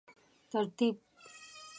ترتیب